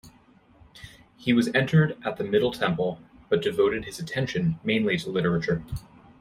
He was entered at the Middle Temple, but devoted his attention mainly to literature.